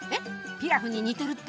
ピラフに似てるって？